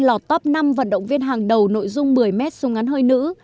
lọt top năm vận động viên hàng đầu nội dung một mươi m xuống ngắn hơi nữ